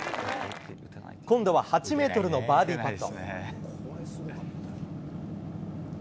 今度は８ｍのバーディーパット。